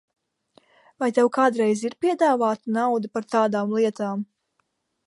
Vai tev kādreiz ir piedāvāta nauda par tādām lietām?